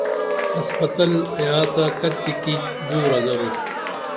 ہسپتل آیا تہ کتیکی دورا درو؟